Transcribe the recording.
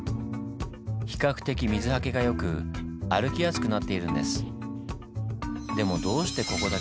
比較的水はけがよく歩きやすくなっているんです。